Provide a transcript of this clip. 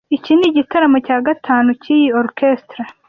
Iki nigitaramo cya gatanu cyiyi orchestre.